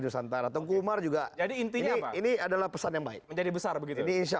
nusantara tenggumar juga jadi intinya ini adalah pesan yang baik menjadi besar begitu ini insya